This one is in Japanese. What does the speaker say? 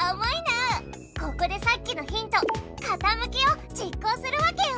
ここでさっきのヒント「かたむき」を実行するわけよ。